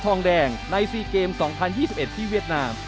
ทองแดงใน๔เกม๒๐๒๑ที่เวียดนาม